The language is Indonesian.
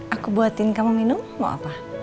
aku buatin kamu minum mau apa